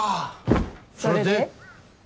それで？